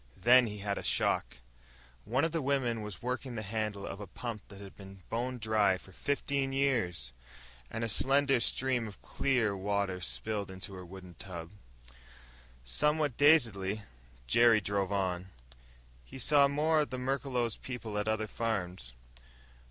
Then he had a shock. One of the women was working the handle of a pump that had been bone dry for fifteen years and a slender stream of clear water spilled into her wooden tub! Somewhat dazedly, Jerry drove on. He saw more of the Merklos people at other farms.